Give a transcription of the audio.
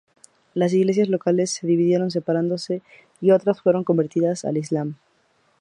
Las Iglesias locales se dividieron separándose y otras fueron convertidas al islam.